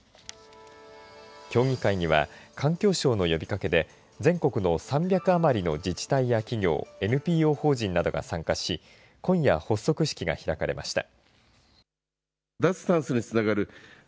協議会には、環境省の呼びかけで全国の３００余りの自治体や企業ＮＰＯ法人などが参加し今夜、発足式が開かれました。